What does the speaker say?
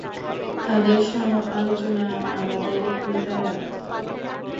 তাঁদের আলোচনা আমাদের হিদায়াত।